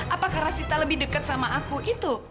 apa karena sita lebih dekat sama aku itu